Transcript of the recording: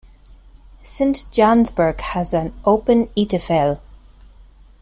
Sint Jansbrug has a 'open eettafel'.